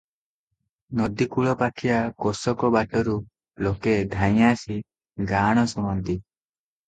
ନଦୀକୂଳପାଖିଆ କୋଶକ ବାଟରୁ ଲୋକେ ଧାଇଁଆସି ଗାଆଣ ଶୁଣନ୍ତି ।